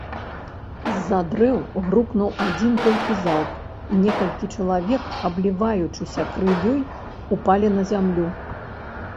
З-за дрэў грукнуў адзін толькі залп, і некалькі чалавек, абліваючыся крывёй, упалі на зямлю.